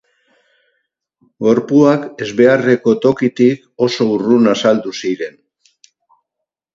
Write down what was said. Gorpuak ezbeharreko tokitik oso urrun azaldu ziren.